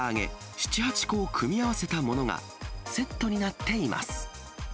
７、８個を組み合わせたものがセットになっています。